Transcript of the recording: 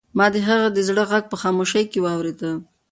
ما د هغې د زړه غږ په خاموشۍ کې واورېد.